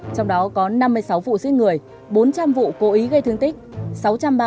trong đó có năm mươi sáu vụ giết người bốn trăm linh vụ cố ý gây thương tích